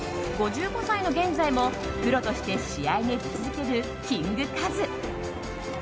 ５５歳の現在も、プロとして試合に出続けるキングカズ。